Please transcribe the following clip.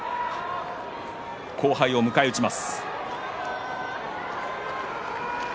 後輩を迎え撃ちます。